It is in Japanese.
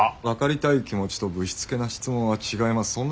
分かりたい気持ちとぶしつけな質問は違います。